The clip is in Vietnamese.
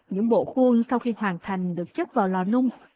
những bộ khuôn sau khi hoàn thành được chất vào lò nung